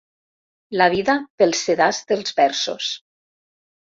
La vida pel sedàs dels versos.